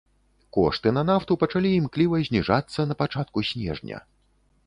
Кошты на нафту пачалі імкліва зніжацца на пачатку снежня.